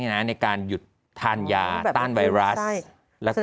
ในการหยุดทานยาต้านไวรัส